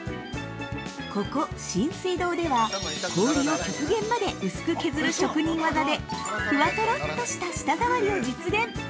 ◆ここ信水堂では氷を極限まで薄く削る職人技でふわとろっとした舌触りを実現。